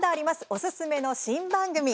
おすすめの新番組。